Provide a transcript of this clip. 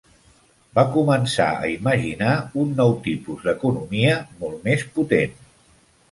Va començar a imaginar un nou tipus d'economia, molt més potent.